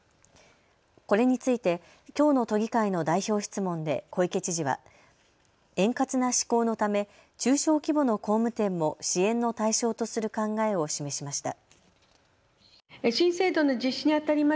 これについて、きょうの都議会の代表質問で小池知事は円滑な施行のため中小規模の工務店も支援の対象とする考えを示しました。